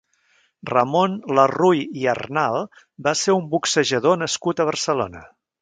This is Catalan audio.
Ramon Larruy i Arnal va ser un boxejador nascut a Barcelona.